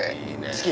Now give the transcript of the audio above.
好き。